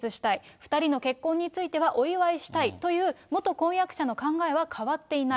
２人の結婚についてはお祝いしたいという、元婚約者の考えは変わっていない。